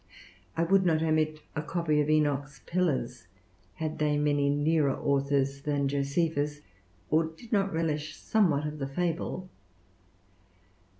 I would not omit a copy of Enoch's Pillars had they many nearer authors than Josephus, or did not relish somewhat of the fable.